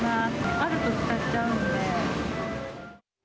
あると使っちゃうんで。